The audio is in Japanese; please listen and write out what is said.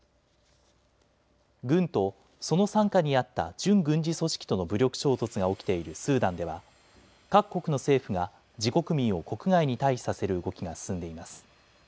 軍とその傘下にあった準軍事組織との武力衝突が起きているスーダンでは各国の政府が自国民を国外に退避させる動きが進んでいます。